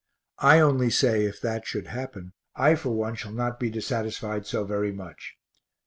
I only say if that should happen, I for one shall not be dissatisfied so very much.